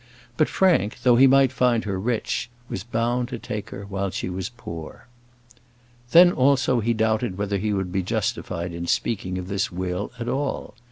But Frank, though he might find her rich, was bound to take her while she was poor. Then, also, he doubted whether he would be justified in speaking of this will at all.